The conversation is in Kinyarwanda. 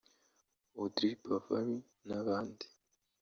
Audrey Pulvar n’abandi